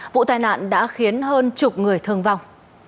vụ tai nạn đã khiến hơn chục người thương vong